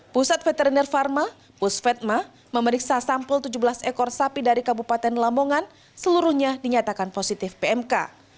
pusat veteriner pharma pusvetma memeriksa sampel tujuh belas ekor sapi dari kabupaten lamongan seluruhnya dinyatakan positif pmk